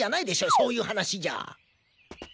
そういう話じゃ。